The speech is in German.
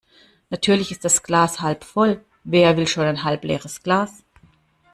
Natürlich ist das Glas halb voll. Wer will schon ein halb leeres Glas?